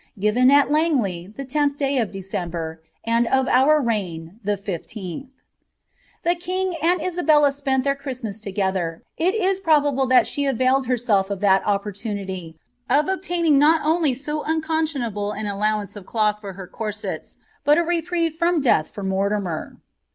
" Given at Lsngief, Ihe 10th dny of Dwembor, and «( out reign the lAtk'* The king and Isabella spent their Christma.^ together, and it is proli^ thai she availed herself of that opportunity of obtaining not only to «■ conscinnable nn allowance of cloth for her corsets, but a rt^prieve fra> death for Mortimer.